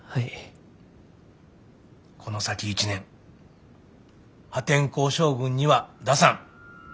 この先一年「破天荒将軍」には出さん。